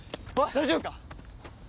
大丈夫か？